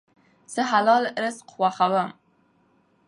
زه حلال رزق خوښوم.